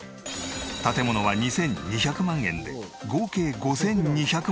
建物は２２００万円で合計５２００万円。